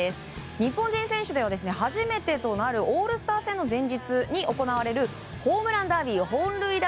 日本人選手では初めてとなるオールスター戦の前日に行われるホームランダービー本塁打